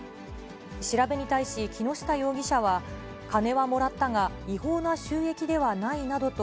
調べに対し、木下容疑者は、金はもらったが違法な収益ではないなどと、